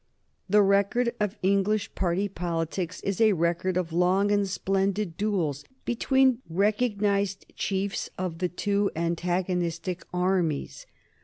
The record of English party politics is a record of long and splendid duels between recognized chiefs of the two antagonistic armies.